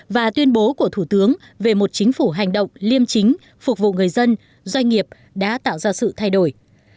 và tuyên bố của thủ tướng về một chính phủ hành động liêm chính phục vụ người dân doanh nghiệp đã tạo ra sự thay đổi